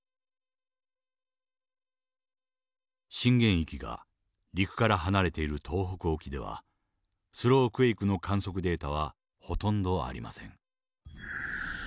震源域が陸から離れている東北沖ではスロークエイクの観測データはほとんどありません。